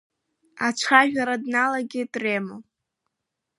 Ацәажәара дналагеит Рема.